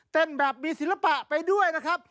แบบมีศิลปะไปด้วยนะครับ